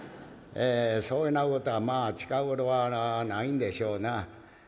そういうようなことはまあ近頃はないんでしょうな。